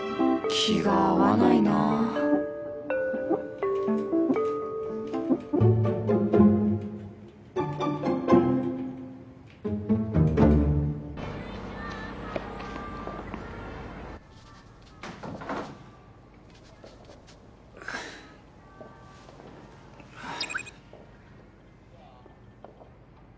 気が合わないなはあ。